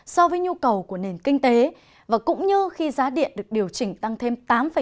so với nhu cầu của nền kinh tế và cũng như khi giá điện được điều chỉnh tăng thêm tám ba mươi